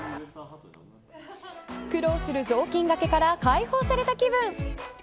苦労する雑巾がけから解放された気分。